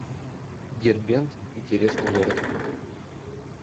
Дербент — интересный город